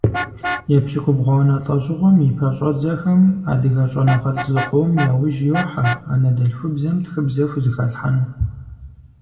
Епщыкӏубгъуанэ лӏэщӏыгъуэм и пэщӏэдзэхэм адыгэ щӏэныгъэлӏ зыкъом яужь йохьэ анэдэльхубзэм тхыбзэ хузэхалъхьэну.